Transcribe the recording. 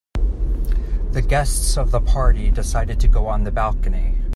The guests of the party decided to go on the balcony.